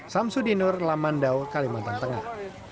samsudinur lamandau kalimantan tengah